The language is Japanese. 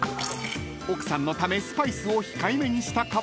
［奥さんのためスパイスを控えめにした